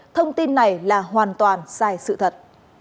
thông tin này là hoàn toàn sai sự thật